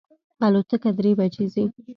الوتکه درې بجی ځي